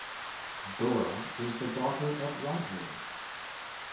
Dora is the daughter of Roger.